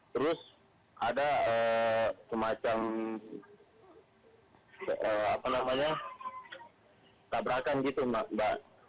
terus ada semacam tabrakan gitu mbak